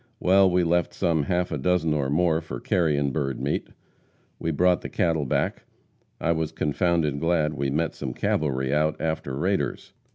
Well, we left some half a dozen or more for carrion bird meat. We brought the cattle back. I was confounded glad we met some cavalry out after raiders.